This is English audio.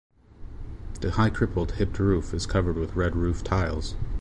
The high crippled hipped roof is covered with red roof tiles.